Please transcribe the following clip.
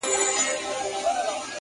• چي فارغ به یې کړ مړی له کفنه,